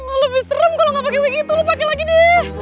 oh lebih serem kalo gak pake wig itu lo pake lagi deh